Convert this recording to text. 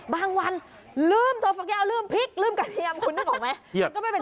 บางวันลืมตัวฟักแก้วลืมพริกลืมกระเทียมคุณนึกออกไหม